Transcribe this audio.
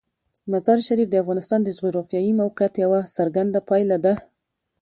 مزارشریف د افغانستان د جغرافیایي موقیعت یوه څرګنده پایله ده.